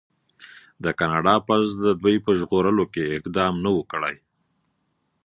د کاناډا پوځ د دوی په ژغورلو کې اقدام نه و کړی.